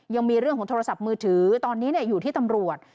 ยังมีเรื่องของโทรศัพท์มือถือตอนนี้อยู่ที่ตำรวจ